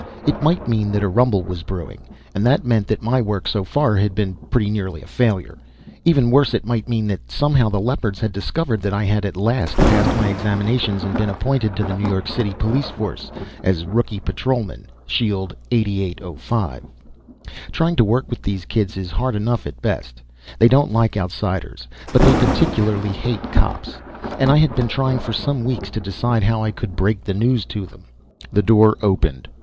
It might mean that a rumble was brewing and that meant that my work so far had been pretty nearly a failure. Even worse, it might mean that somehow the Leopards had discovered that I had at last passed my examinations and been appointed to the New York City Police Force as a rookie patrolman, Shield 8805. Trying to work with these kids is hard enough at best. They don't like outsiders. But they particularly hate cops, and I had been trying for some weeks to decide how I could break the news to them. The door opened.